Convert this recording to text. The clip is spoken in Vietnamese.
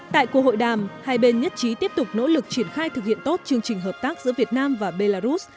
tại cuộc hội đàm hai bên nhất trí tiếp tục nỗ lực triển khai thực hiện tốt chương trình hợp tác giữa việt nam và belarus